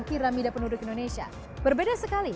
kiramida penduduk indonesia berbeda sekali